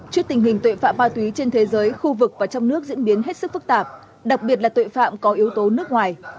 trước tình hình tuệ phạm ma túy trên thế giới khu vực và trong nước diễn biến hết sức phức tạp đặc biệt là tội phạm có yếu tố nước ngoài